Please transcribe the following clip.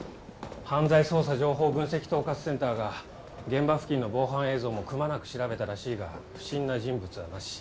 犯罪捜査情報分析統括センターが現場付近の防犯映像もくまなく調べたらしいが不審な人物はなし。